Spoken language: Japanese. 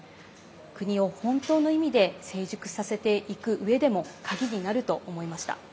国を本当の意味で成熟させていくうえでも鍵になると思いました。